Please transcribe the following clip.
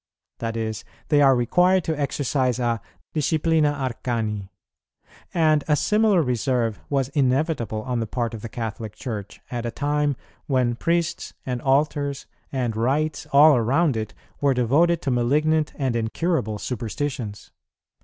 That is, they are required to exercise a disciplina arcani; and a similar reserve was inevitable on the part of the Catholic Church, at a time when priests and altars and rites all around it were devoted to malignant and incurable superstitions.